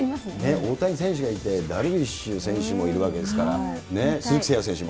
大谷選手がいて、ダルビッシュ選手もいるわけですから、鈴木誠也選手も。